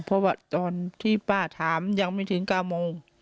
เพราะว่าตอนที่ป้าถามยังไม่ถึง๙โมง